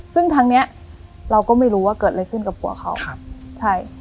ซึ่งทางเนี้ยเราก็ไม่รู้ว่าเกิดอะไรขึ้นกับผัวเขาครับใช่